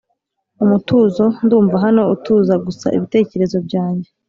umutuzo ndumva hano utuza gusa ibitekerezo byanjye.